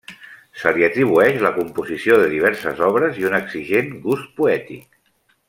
Se li atribueix la composició de diverses obres i un exigent gust poètic.